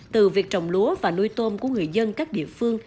từ việc trồng lúa và nuôi tôm của người dân các địa phương